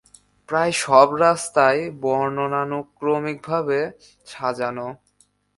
প্রায় সব রাস্তাই বর্ণানুক্রমিকভাবে সাজানো।